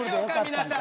皆さん。